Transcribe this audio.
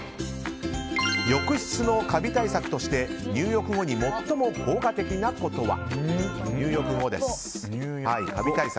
浴室のカビ対策として入浴後に最も効果的なことは？